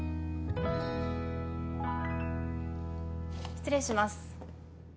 失礼します